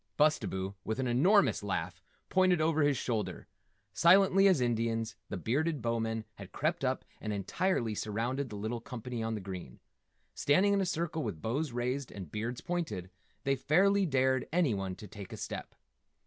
Bustabo, with an enormous laugh, pointed over his shoulder. Silently as Indians the Bearded Bowmen had crept up and entirely surrounded the little company on the green. Standing in a circle with bows raised and beards pointed, they fairly dared anyone to take a step.